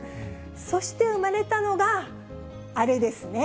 そして生まれたのが、あれですね。